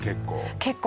結構